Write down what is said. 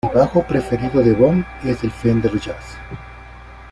El bajo preferido de Von es el Fender Jazz.